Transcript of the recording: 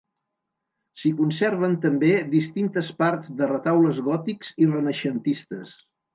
S'hi conserven també distintes parts de retaules gòtics i renaixentistes.